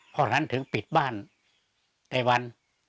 เพราะฉะนั้นถึงปิดบ้านแต่วัน